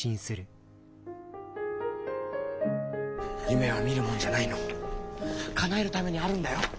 夢は見るもんじゃないのかなえるためにあるんだよ！